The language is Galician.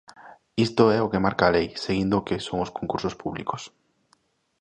Isto é o que marca a lei, seguindo o que son os concursos públicos.